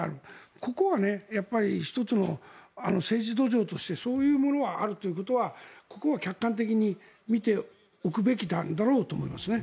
ここは１つの政治土壌としてそういうものはあるということはここは客観的に見ておくべきだろうと思います。